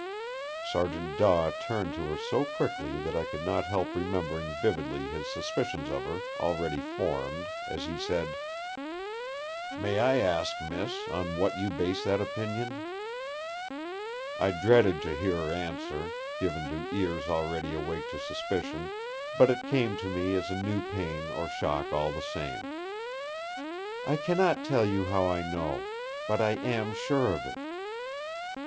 Sergeant Daw turned to her so quickly that I could not help remembering vividly his suspicions of her, already formed, as he said: "May I ask, miss, on what you base that opinion?" I dreaded to hear her answer, given to ears already awake to suspicion; but it came to me as a new pain or shock all the same: "I cannot tell you how I know. But I am sure of it!"